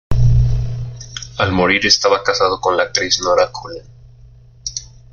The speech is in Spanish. Al morir estaba casado con la actriz Nora Cullen.